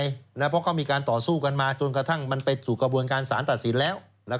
เพราะเขามีการต่อสู้กันมาจนกระทั่งมันไปสู่กระบวนการสารตัดสินแล้ว